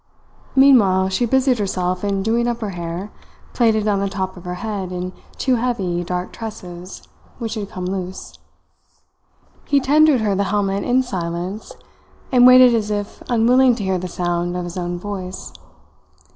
Meanwhile she busied herself in doing up her hair, plaited on the top of her head in two heavy, dark tresses, which had come loose. He tendered her the helmet in silence, and waited as if unwilling to hear the sound of his own voice.